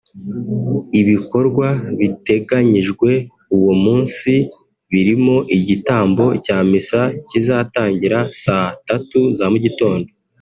Ibikorwa biteganyijwe uwo munsi birimo igitambo cya misa kizatangira saa tatu za mugitondo